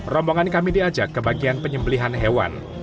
rombongan kami diajak ke bagian penyembelihan hewan